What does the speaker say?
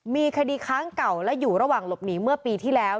มีคดีค้างเก่าและอยู่ระหว่างหลบหนีเมื่อปีที่แล้ว